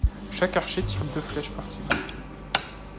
Chaque archer tire deux flèches par cible.